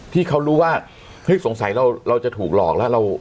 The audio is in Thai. ที่เขารู้ว่านี่สงสัยเราเราจะถูกหลอกแล้วเรา